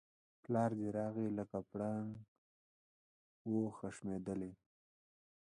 پلار دی راغی لکه پړانګ وو خښمېدلی